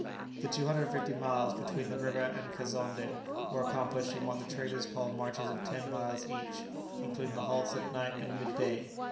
] The two hundred and fifty miles between the river and Kazonndé were accomplished in what the traders call marches of ten miles each, including the halts at night and midday.